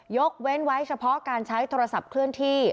ยกเว้นไว้เฉพาะการใช้โทรศัพท์เคลื่อนที่